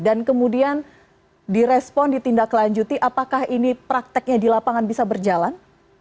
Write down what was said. dan kemudian direspon ditindak lanjuti apakah ini prakteknya di lapangan bisa berjalan